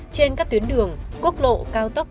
trên các tuyến đường quốc lộ cao tốc